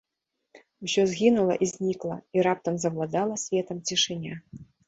Усё згінула і знікла, і раптам заўладала светам цішыня.